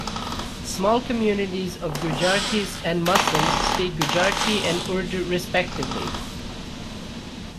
Small communities of Gujaratis and Muslims speak Gujarati and Urdu respectively.